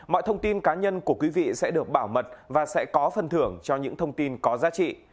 mọi thông tin cá nhân của quý vị sẽ được bảo mật và sẽ có phần thưởng cho những thông tin có giá trị